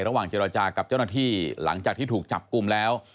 ระหว่างเจรจากับเจ้าหน้าที่หลังจากที่ถูกจับกลุ่มแล้ว